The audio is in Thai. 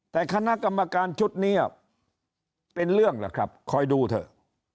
แต่คณะกรรมการชุดนี้เป็นเรื่องล่ะครับคอยดูเถอะ